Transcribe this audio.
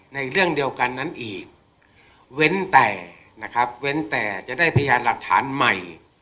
ในเรื่องเดียวกันนั้นอีกเว้นแต่นะครับเว้นแต่จะได้พยานหลักฐานใหม่